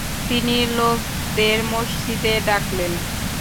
তিনি লোকদের মসজিদে ডাকলেন।